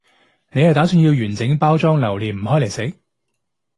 你係打算要完整包裝留念唔開嚟食？